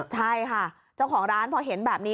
ใช่ค่ะเจ้าของร้านพอเห็นแบบนี้